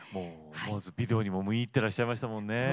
思わずビデオにも見入ってらっしゃいましたもんね。